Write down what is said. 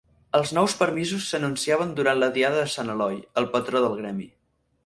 Els nous permisos s'anunciaven durant la diada de Sant Eloi, el patró del gremi.